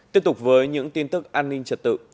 tiếp tục với những tin tức an ninh trật tự